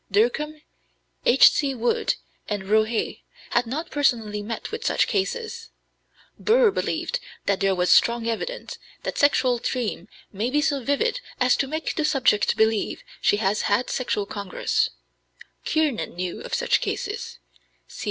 Dercum, H.C. Wood, and Rohé had not personally met with such cases; Burr believed that there was strong evidence "that a sexual dream may be so vivid as to make the subject believe she has had sexual congress"; Kiernan knew of such cases; C.